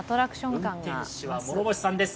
運転手は諸星さんです。